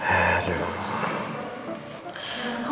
apa aku ada disini sih pak